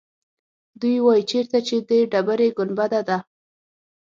دوی وایيچېرته چې د ډبرې ګنبده ده.